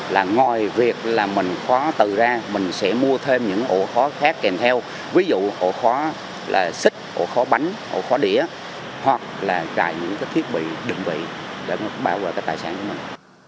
là ngoài việc là mình khóa từ ra mình sẽ mua thêm những ổ khóa khác kèm theo ví dụ ổ khóa là xích ổ khóa bánh ổ khóa đĩa hoặc là rải những thiết bị định vị để bảo vệ tài sản của mình